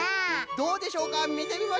どうでしょうかみてみましょう！